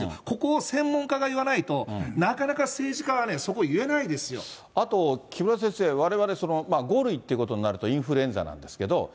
ここを専門家が言わないと、なかなか政治家はね、そこ言えないであと、木村先生、われわれ、５類っていうことになるとインフルエンザなんですけど。